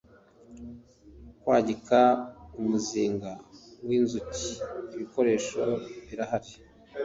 kwagika umuzinga w inzuki ibikoresho birahari